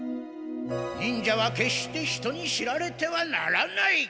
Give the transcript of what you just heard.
忍者はけっして人に知られてはならない。